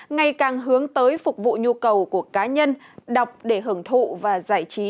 ngày càng hướng tới phục vụ nhu cầu của cá nhân đọc để hưởng thụ và giải trí